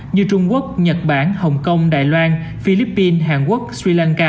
như trung quốc nhật bản hồng kông đài loan philippines hàn quốc sri lanka